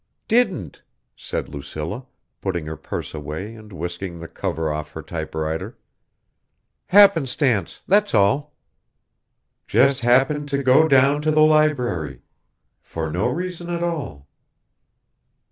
"Didn't," said Lucilla, putting her purse away and whisking the cover off her typewriter. "Happenstance, that's all." (Just happened to go down to the library ... for no reason at all